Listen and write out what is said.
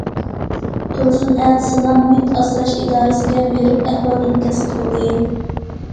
تۇرسۇن ئەتىسىلا مۇھىت ئاسراش ئىدارىسىگە بېرىپ ئەھۋال ئىنكاس قىلدى.